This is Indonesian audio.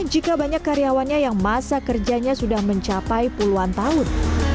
jika banyak karyawannya yang masa kerjanya sudah mencapai puluhan tahun